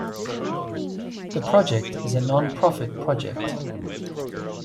The project is a non-profit project.